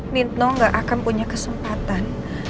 nitno gak akan punya kesempatan